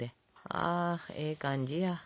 あええ感じや。